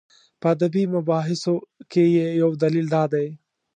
په ادبي مباحثو کې یې یو دلیل دا دی.